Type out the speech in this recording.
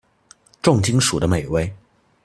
重金屬的美味